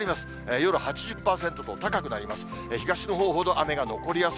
夜８０％と高くなります。